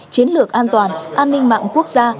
chiến lược an toàn an ninh mạng quốc gia